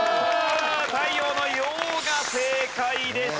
太陽の「陽」が正解でした。